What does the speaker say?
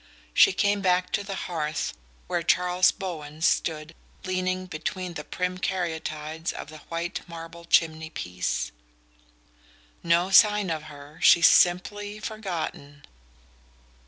She came back to the hearth, where Charles Bowen stood leaning between the prim caryatides of the white marble chimney piece. "No sign of her. She's simply forgotten."